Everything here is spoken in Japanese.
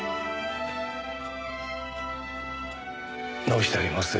直してあります。